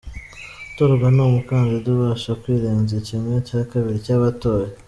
Utorwa ni umukandida ubasha kurenza kimwe cya kabiri cy’abatoye.